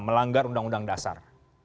melanggar undang undang dasar